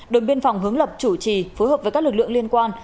đồn biên phòng hướng lập chủ trì phối hợp với các lực lượng liên quan